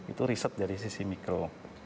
itu riset dari sisi mikro